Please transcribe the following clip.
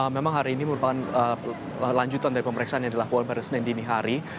memang hari ini merupakan lanjutan dari pemeriksaan yang dilakukan pada senin dini hari